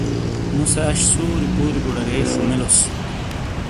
مُوسے اش سُوری پُوری اُوڑارے شومیلوس